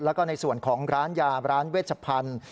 แล้วก็ในส่วนของร้านยาร้านเวชพันธุ์